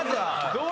どう？